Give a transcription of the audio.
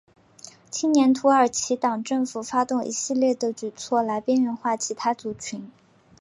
青年土耳其党政府发动一系列的举措来边缘化其他族群。